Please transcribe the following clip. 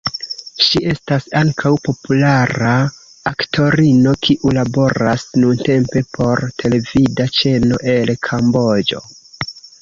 Ŝi estas ankaŭ populara aktorino, kiu laboras nuntempe por televida ĉeno en Kamboĝo.